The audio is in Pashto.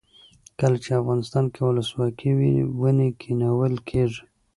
کله چې افغانستان کې ولسواکي وي ونې کینول کیږي.